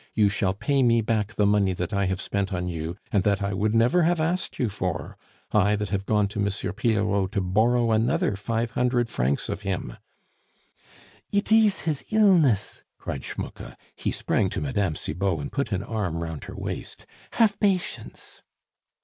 You shall pay me back the money that I have spent on you, and that I would never have asked you for, I that have gone to M. Pillerault to borrow another five hundred francs of him " "It ees his illness!" cried Schmucke he sprang to Mme. Cibot and put an arm round her waist "haf batience."